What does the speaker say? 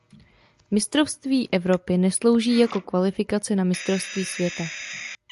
Mistrovství Evropy neslouží jako kvalifikace na Mistrovství světa.